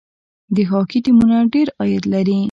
د هاکي ټیمونه ډیر عاید لري.